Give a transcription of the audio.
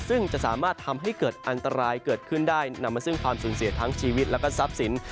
ซึ่งจะสามารถทำให้เกิดอันตรายเกิดขึ้นได้นำมาซึ่งความสูญเสียทั้งชีวิตและก็ทรัพย์สิน